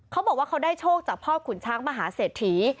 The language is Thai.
เขาบอกว่าเขาได้โชคจากพ่อขุนช้างมหาเศรษฐี